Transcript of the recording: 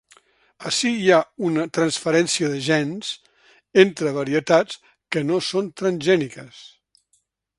Ací hi ha una transferència de gens entre varietats que no són transgèniques.